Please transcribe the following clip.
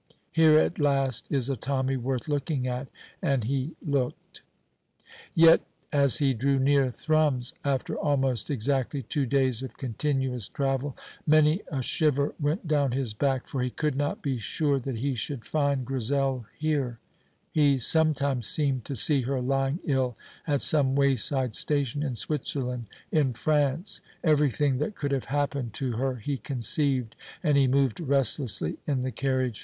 Here at last is a Tommy worth looking at, and he looked. Yet as he drew near Thrums, after almost exactly two days of continuous travel, many a shiver went down his back, for he could not be sure that he should find Grizel here; he sometimes seemed to see her lying ill at some wayside station in Switzerland, in France; everything that could have happened to her he conceived, and he moved restlessly in the carriage.